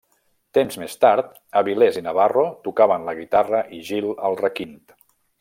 Temps més tard, Avilés i Navarro tocaven la guitarra i Gil el requint.